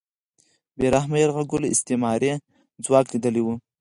بې رحمه یرغلګر استعماري ځواک لیدلی و